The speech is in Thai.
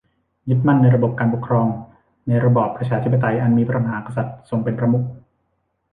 ยึดมั่นในการปกครองในระบอบประชาธิปไตยอันมีพระมหากษัตริย์ทรงเป็นประมุข